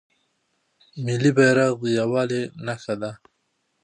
ملي بیرغ د یووالي نښه ده.